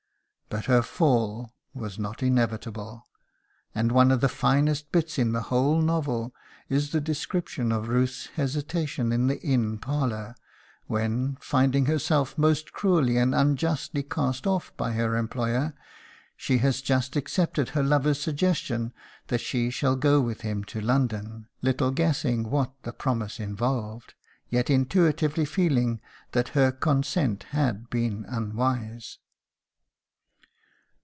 But her fall was not inevitable, and one of the finest bits in the whole novel is the description of Ruth's hesitation in the inn parlour when, finding herself most cruelly and unjustly cast off by her employer, she has just accepted her lover's suggestion that she shall go with him to London, little guessing what the promise involved, yet intuitively feeling that her consent had been unwise.